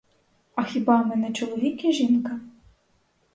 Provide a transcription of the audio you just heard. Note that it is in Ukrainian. А хіба ми не чоловік і жінка?